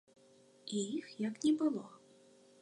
І іх як не было.